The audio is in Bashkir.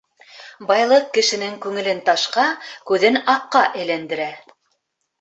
Байлыҡ кешенең күңелен ташҡа, күҙен аҡҡа әйләндерә.